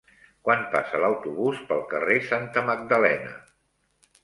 Quan passa l'autobús pel carrer Santa Magdalena?